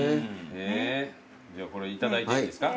じゃこれいただいていいですか？